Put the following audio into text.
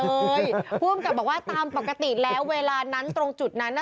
ผู้อำกับบอกว่าตามปกติแล้วเวลานั้นตรงจุดนั้นน่ะ